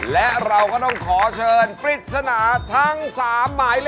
และเราก็ต้องขอเชิญปริศนาทั้ง๓หมายเลข